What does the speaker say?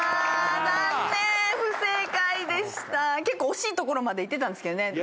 結構惜しいところまでいってたんですけどね。